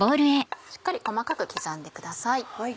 しっかり細かく刻んでください。